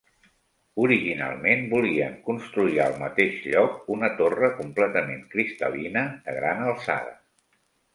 Originalment volien construir al mateix lloc una torre completament cristal·lina de gran alçada.